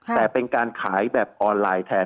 แต่เป็นการขายแบบออนไลน์แทน